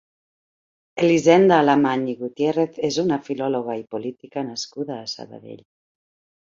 Elisenda Alamany i Gutiérrez és una filòloga i política nascuda a Sabadell.